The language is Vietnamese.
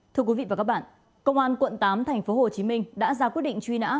thưa quý vị và các bạn công an quận tám tp hcm đã ra quyết định truy nã